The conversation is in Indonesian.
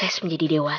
ini tinggal jahat